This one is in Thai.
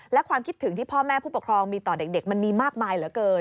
และความคิดถึงที่พ่อแม่ผู้ปกครองมีต่อเด็กมันมีมากมายเหลือเกิน